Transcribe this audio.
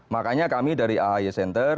makanya kami dari ahy center